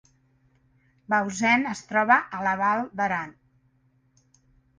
Bausen es troba a la Val d’Aran